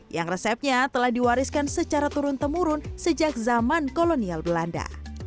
yang resepnya telah diwariskan secara turun temurun sejak zaman kolonial belanda